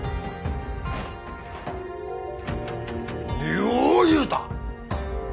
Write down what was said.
よう言うた！